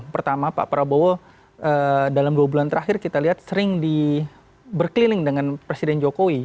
pertama pak prabowo dalam dua bulan terakhir kita lihat sering berkeliling dengan presiden jokowi